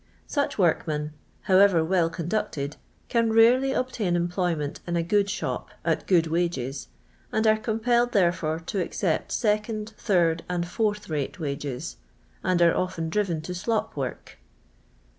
Such workmen, however well conducted, can rarely obtain employment in a good shop at good wages, and arc compelled, therefore, to accept second, third, and fourth rate wages, and arc often driven to slop work.